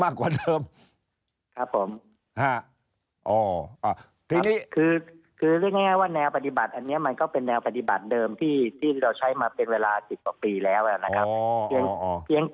มากกว่าเดิมครับผมอ๋ออ่าทีนี้คือคือเรื่องง่ายง่ายว่าแนวปฏิบัติอันเนี้ยมันก็เป็นแนวปฏิบัติเดิมที่ที่เราใช้มาเป็นเวลาสิบต่อปีแล้วอ่ะนะครับอ๋ออ๋อ